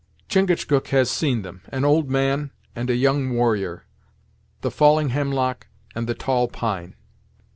"Chingachgook has seen them. An old man, and a young warrior the falling hemlock and the tall pine."